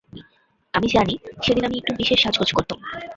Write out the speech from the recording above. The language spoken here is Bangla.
আমি জানি সেদিন আমি একটু বিশেষ সাজগোজ করতুম।